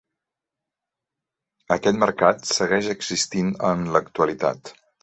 Aquest mercat segueix existint en l'actualitat.